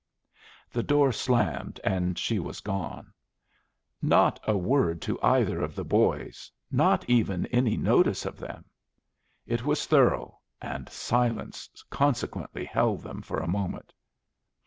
The door slammed and she was gone. Not a word to either of the boys, not even any notice of them. It was thorough, and silence consequently held them for a moment.